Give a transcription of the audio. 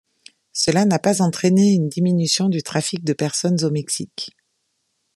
Cela n’a pas entraîné une diminution du trafic de personnes au Mexique.